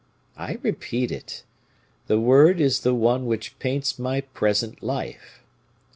I repeat it, the word is the one which paints my present life.